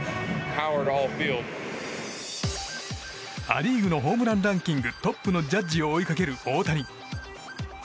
ア・リーグのホームランランキングトップのジャッジを追いかける大谷。